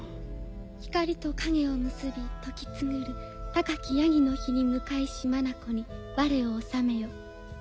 「光と影を結び時つぐる高き山羊の陽に向かいし眼に我をおさめよ」。